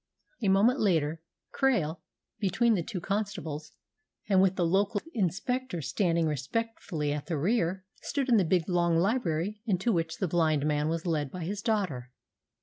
A moment later, Krail, between the two constables, and with the local inspector standing respectfully at the rear, stood in the big, long library into which the blind man was led by his daughter.